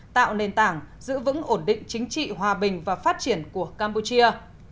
tạo nền tảng giữ vững ổn định chính trị hòa bình và phát triển của campuchia